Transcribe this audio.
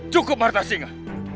cukup marta singa